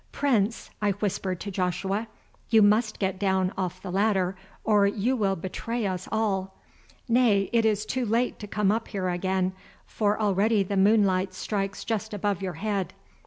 "Prince," I whispered to Joshua, "you must get down off the ladder or you will betray us all. Nay, it is too late to come up here again, for already the moonlight strikes just above your head.